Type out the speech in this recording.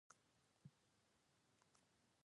ستوني غرونه د افغانستان د چاپیریال ساتنې لپاره مهم دي.